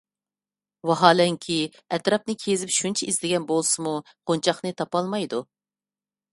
ۋاھالەنكى، ئەتراپنى كېزىپ شۇنچە ئىزدىگەن بولسىمۇ، قونچاقنى تاپالمايدۇ.